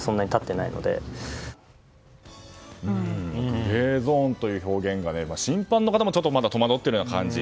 グレーゾーンという表現がね審判の方もまだ戸惑っているような感じ。